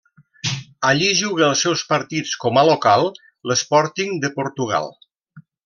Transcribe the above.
Allí juga els seus partits com a local l'Sporting de Portugal.